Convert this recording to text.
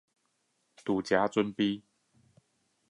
在這邊準備